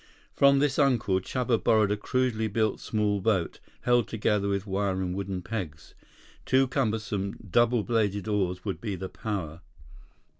From this uncle, Chuba borrowed a crudely built small boat, held together with wire and wooden pegs. Two cumbersome, double bladed oars would be power.